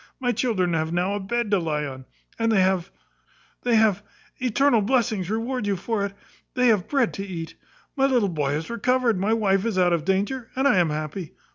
My children have now a bed to lie on and they have they have eternal blessings reward you for it! they have bread to eat. My little boy is recovered; my wife is out of danger, and I am happy.